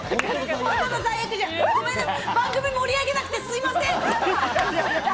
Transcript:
番組盛り上げなくてすみません。